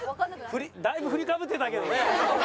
だいぶ振りかぶってたけどね。